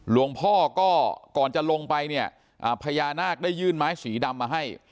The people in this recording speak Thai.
หลวงพ่อก็ก่อนจะลงไปเนี่ยพญานาคได้ยื่นไม้สีดำมาให้